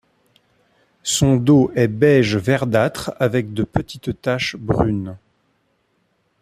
Son dos est beige-verdâtre avec de petites taches brunes.